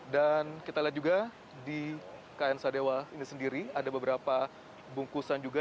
dan kita lihat juga di kn sadewa ini sendiri ada beberapa bungkusan juga